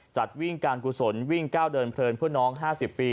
จัดวิ่งการกุศลวิ่งก้าวเดินเพลินเพื่อน้อง๕๐ปี